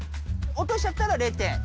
おとしちゃったら０点？